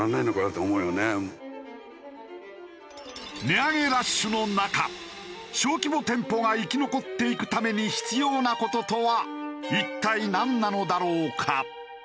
値上げラッシュの中小規模店舗が生き残っていくために必要な事とは一体なんなのだろうか？